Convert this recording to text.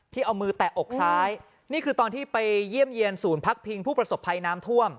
เอามือแตะอกซ้ายนี่คือตอนที่ไปเยี่ยมเยี่ยนศูนย์พักพิงผู้ประสบภัยน้ำท่วม